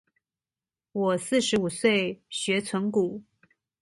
我四十五歲學存股